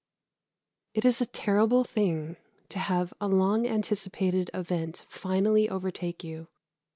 It is a terrible thing to have a long anticipated event finally overtake you.